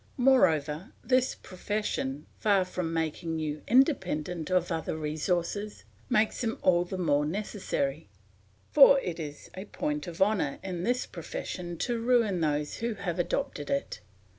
Moreover, this profession, far from making you independent of other resources, makes them all the more necessary; for it is a point of honour in this profession to ruin those who have adopted it.